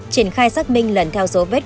triển khai xác minh lần theo số vết